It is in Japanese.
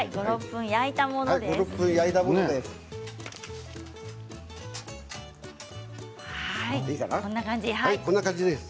５、６分、焼いたものです。